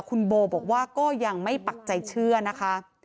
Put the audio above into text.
คุณโบบอกว่าก็ยังไม่ปักใจเชื่อนะคะ